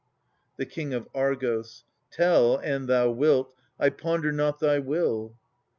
The King of Argos. Tell, an thou wilt — I ponder not thy will.